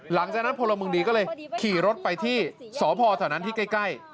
หลังจากนั้นพลเมิงดีก็เลยขี่รถไปที่สพเถอะนั้นที่ใกล้